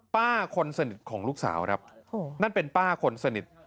ป้าคนสนิทของลูกสาวครับนั่นเป็นป้าคนสนิท